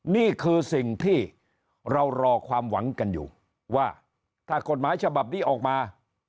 นี่คือสิ่งที่เรารอความหวังกันอยู่ว่าถ้ากฎหมายฉบับนี้ออกมา